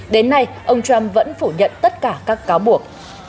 đến nay ông trump vẫn phủ nhận tất cả các cáo buộc